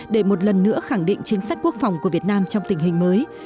để một lần nữa khẳng định chính sách quốc phòng của việt nam trong tình hình mới